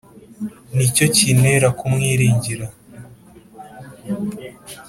ni cyo kintera kumwiringira.»